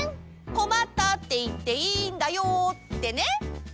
「こまった」っていっていいんだよってね。